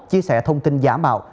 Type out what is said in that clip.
chia sẻ thông tin giả bạo